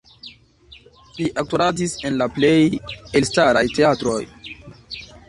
Li aktoradis en la plej elstaraj teatroj.